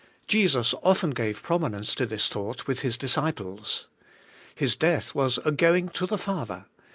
Jesus often gave prominence to this thought with His disciples. His death was a going to the Father.